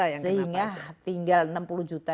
yang kena pajak sehingga tinggal enam puluh juta